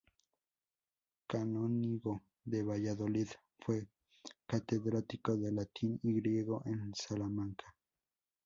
Canónigo de Valladolid fue catedrático de Latín y Griego en Salamanca.